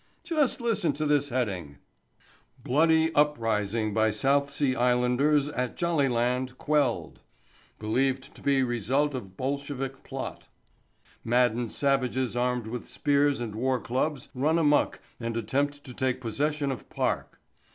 Just listen to this heading: BLOODY UPRISING BY SOUTH SEA ISLANDERS AT JOLLYLAND QUELLED –––– BELIEVED TO BE RESULT OF BOLSHEVIK PLOT –––– Maddened Savages Armed With Spears and War Clubs Run Amuck and Attempt to Take Possession of Park.